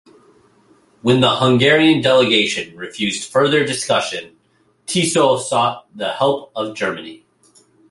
When the Hungarian delegation refused further discussion, Tiso sought the help of Germany.